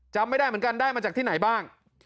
จำไม่ได้เหมือนกันได้มาจากที่ไหนบ้าง